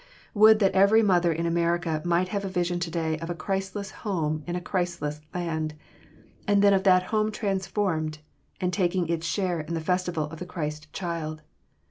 Would that every mother in America might have a vision today of a Christless home in a Christless land, and then of that home transformed, and taking its share in the festival of the Christ Child!